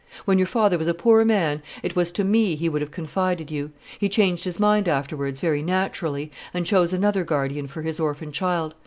When your father was a poor man, it was to me he would have confided you. He changed his mind afterwards, very naturally, and chose another guardian for his orphan child.